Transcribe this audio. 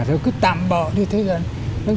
thì cứ tạm bỡ như thế này